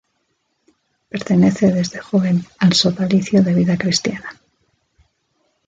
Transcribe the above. Pertenece desde joven al Sodalicio de Vida Cristiana.